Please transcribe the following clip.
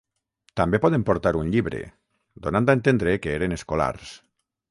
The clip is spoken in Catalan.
També poden portar un llibre, donant a entendre que eren escolars.